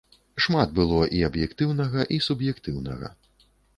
Шмат было і аб'ектыўнага, і суб'ектыўнага.